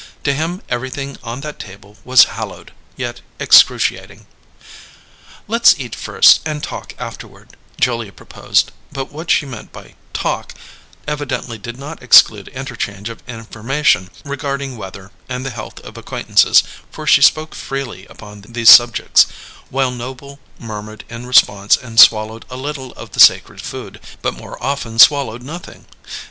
To him everything on that table was hallowed, yet excruciating. "Let's eat first and talk afterward," Julia proposed; but what she meant by "talk" evidently did not exclude interchange of information regarding weather and the health of acquaintances, for she spoke freely upon these subjects, while Noble murmured in response and swallowed a little of the sacred food, but more often swallowed nothing.